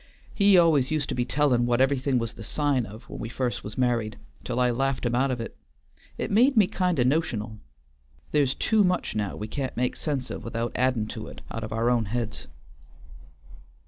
He always used to be tellin' what everything was the sign of, when we was first married, till I laughed him out of it. It made me kind of notional. There's too much now we can't make sense of without addin' to it out o' our own heads."